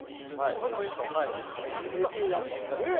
アジもいいですか。